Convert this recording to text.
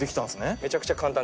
めちゃくちゃ簡単。